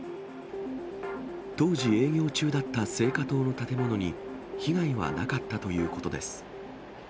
当時、営業中だった青果棟の建物に被害はなかったということです。